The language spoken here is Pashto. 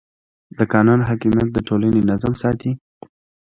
د قانون حاکمیت د ټولنې نظم ساتي.